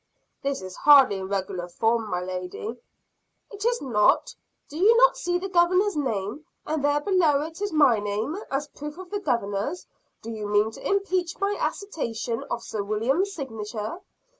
"This is hardly in regular form, my lady." "It is not? Do you not see the Governor's name; and there below it is my name, as proof of the Governor's. Do you mean to impeach my attestation of Sir William's signature?